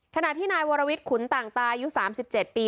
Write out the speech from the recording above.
ขณะที่นายวรวิทย์ขุนต่างตายุ๓๗ปี